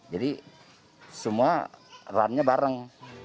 jadi semua runnya bareng